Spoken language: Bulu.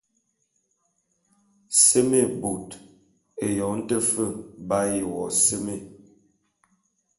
Seme bot, eyong te fe b’aye wo seme.